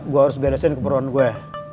gue harus beresin keperluan gue